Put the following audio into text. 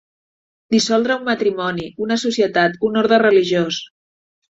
Dissoldre un matrimoni, una societat, un orde religiós.